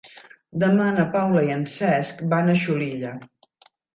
Demà na Paula i en Cesc van a Xulilla.